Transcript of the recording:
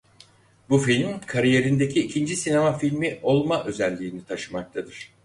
Bu film kariyerindeki ikinci sinema filmi olma özelliğini taşımaktadır.